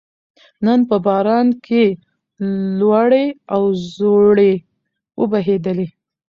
نن په باران کې لوړې او ځوړې وبهېدلې